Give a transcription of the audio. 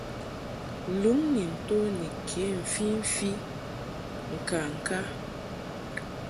Luŋ ni nto ni ke mfimfi ŋkaŋka.